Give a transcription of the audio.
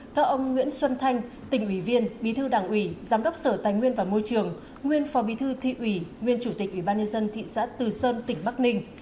theo ông nguyễn xuân thanh tỉnh ủy viên bí thư đảng ủy giám đốc sở tài nguyên và môi trường nguyên phó bí thư thị ủy nguyên chủ tịch ủy ban nhân dân thị xã từ sơn tỉnh bắc ninh